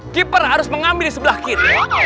keeper harus mengambil di sebelah kiri